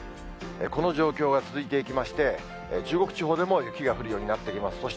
この状況が続いていきまして、中国地方でも雪が降るようになってきます。